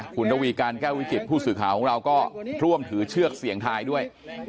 คุณระวีการแก้ววิจิตผู้สื่อข่าวของเราก็ร่วมถือเชือกเสี่ยงทายด้วย